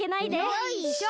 よいしょ！